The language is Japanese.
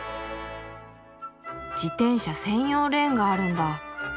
自転車専用レーンがあるんだ。